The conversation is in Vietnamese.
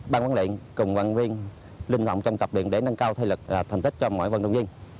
ban vận luyện cùng vận viên linh vọng trong tập luyện để nâng cao thể lực thành tích cho mỗi vận động viên